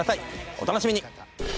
お楽しみに。